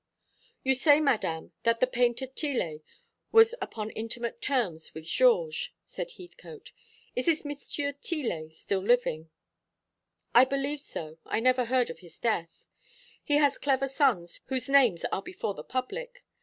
"You say, Madame, that the painter Tillet was upon intimate terms with Georges," said Heathcote. "Is this M. Tillet still living?" "I believe so. I never heard of his death. He has clever sons whose names are before the public.